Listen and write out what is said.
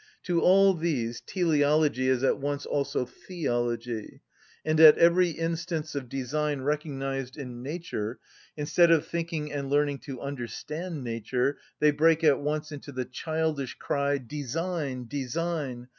To all these teleology is at once also theology, and at every instance of design recognised in nature, instead of thinking and learning to understand nature, they break at once into the childish cry, "Design! design!"